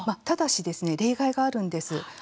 ただし例外があるんです。